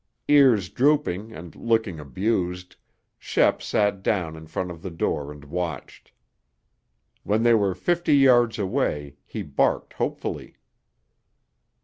Ears drooping and looking abused, Shep sat down in front of the door and watched. When they were fifty yards away, he barked hopefully.